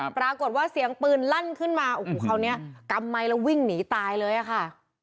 ปรากฏว่าเสียงปืนลั่นขึ้นมาโอ้โหคราวนี้กำไมค์แล้ววิ่งหนีตายเลยอะค่ะ